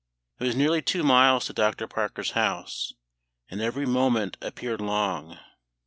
It was nearly two miles to Dr. Parker's house, and every moment appeared long.